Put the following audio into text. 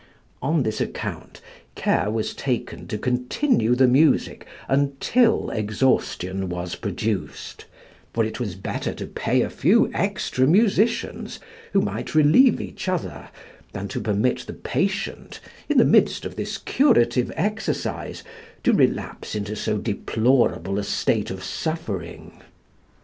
On this account care was taken to continue the music until exhaustion was produced; for it was better to pay a few extra musicians, who might relieve each other, than to permit the patient, in the midst of this curative exercise, to relapse into so deplorable a state of suffering.